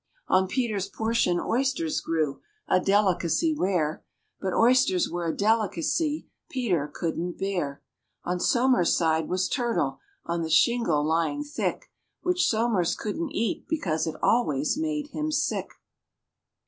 On PETER'S portion oysters grew a delicacy rare, But oysters were a delicacy PETER couldn't bear. On SOMERS' side was turtle, on the shingle lying thick, Which SOMERS couldn't eat, because it always made him sick.